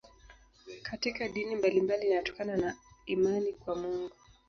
Katika dini mbalimbali inatokana na imani kwa Mungu.